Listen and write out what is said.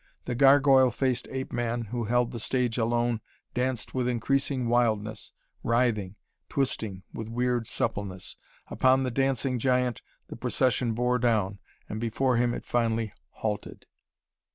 The gargoyle faced ape man who held the stage alone danced with increasing wildness, writhing, twisting, with weird suppleness. Upon the dancing giant the procession bore down, and before him it finally halted.